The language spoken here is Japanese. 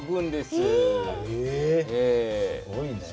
すごいね。